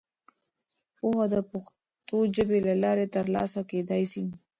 پوهه د پښتو ژبې له لارې ترلاسه کېدای سي.